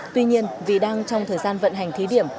tuy nhiên vì đang trong thời gian vận hành thí điểm